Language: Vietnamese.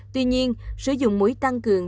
tuy nhiên sử dụng mũi tăng cường